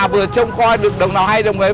mà vừa trông khoi được đồng nào hay đồng ấy